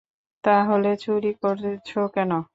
তাহলে চুরি করেছো কেন?